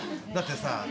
だってさ